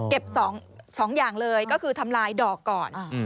๒อย่างเลยก็คือทำลายดอกก่อน